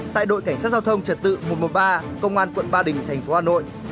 tại đội cảnh sát giao thông trật tự một trăm một mươi ba công an quận ba đình thành phố hà nội